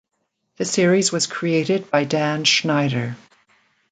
The series was created by Dan Schneider.